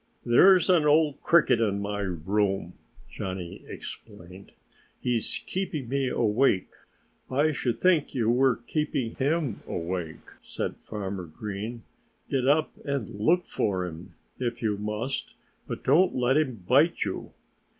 "There's an old Cricket in my room!" Johnnie explained. "He's keeping me awake." "I should think you were keeping him awake," said Farmer Green. "Get up and look for him if you must.... But don't let him bite you!"